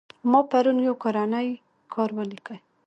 ما پرون يو کورنى کار وليکى.